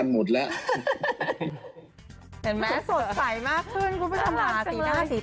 สีหน้าสีตาเนี่ยอิ่มเองเนี่ย